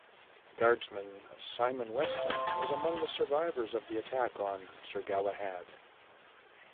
Guardsman Simon Weston was among the survivors of the attack on "Sir Galahad".